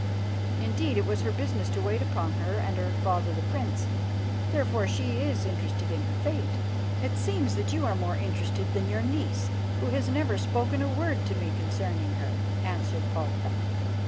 Indeed, it was her business to wait upon her and her father the Prince. Therefore, she is interested in her fate." "It seems that you are more interested than your niece, who has never spoken a word to me concerning her," answered Palka.